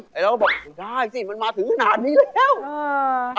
แต่เราก็บอกมันได้สิมันมาถึงขนาดนี้แล้ว